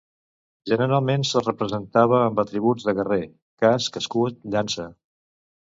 Generalment se'l representava amb atributs de guerrer: casc, escut, llança.